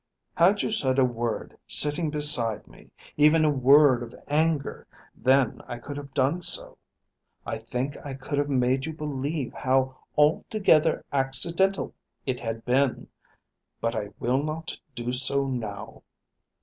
Had you said a word sitting beside me, even a word of anger, then I could have done so. I think I could have made you believe how altogether accidental it had been. But I will not do so now.